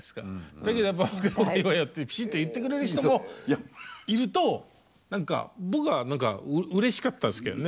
だけどやっぱ「若い方がいいわよ」ってピシッと言ってくれる人もいると何か僕は何かうれしかったですけどね。